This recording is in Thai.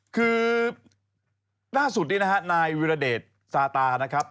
คือหน้าสูตรที่เนธหนายวิรเดชซาตานะครับ